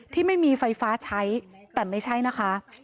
ที่ไม่มีไฟฟ้าใช้แต่ไม่ใช่นะคะ